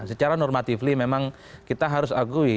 secara normatively memang kita harus akui